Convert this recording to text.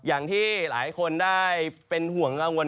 อย่างที่หลายคนได้เป็นห่วงกังวล